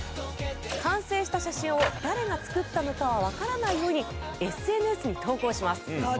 完成した写真を誰が作ったのかはわからないようにＳＮＳに投稿します。